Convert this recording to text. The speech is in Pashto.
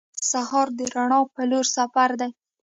سهار د رڼا په لور سفر دی.